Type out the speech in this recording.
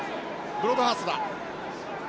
ブロードハーストだ。